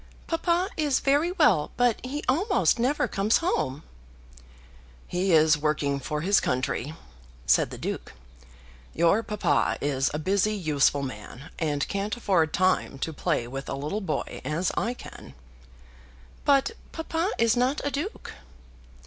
"Papa is very well, but he almost never comes home." "He is working for his country," said the Duke. "Your papa is a busy, useful man, and can't afford time to play with a little boy as I can." "But papa is not a duke."